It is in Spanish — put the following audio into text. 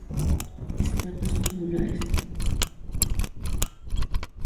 Espatas tubulares.